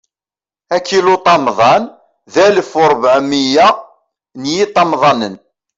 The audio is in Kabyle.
Akiluṭamḍan, d alef u rebɛa u miyya n yiṭamḍanen.